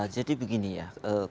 jadi begini ya